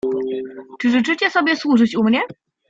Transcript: "Czy życzycie sobie służyć u mnie?"